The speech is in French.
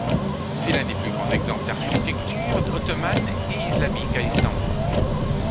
C'est l'un des plus grands exemples d'architecture ottomane et islamique à Istanbul.